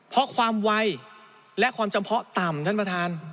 เพราะความไวและความจำเพาะต่ำท่านประธาน